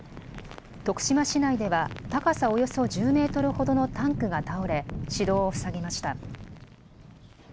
徳島市内では、高さおよそ１０メートルほどのタンクが倒れ、市道を塞ぎました。